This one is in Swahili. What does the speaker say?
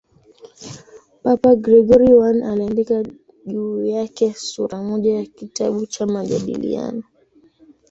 Papa Gregori I aliandika juu yake sura moja ya kitabu cha "Majadiliano".